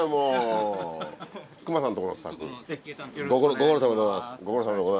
ご苦労さまでございます。